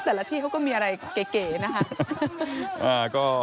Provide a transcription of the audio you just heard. แต่ละพี่ก็มีอะไรเก๋นะค่ะ